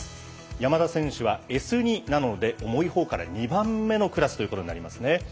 山田選手は、Ｓ２なので重いほうから２番目のクラスということになりますね。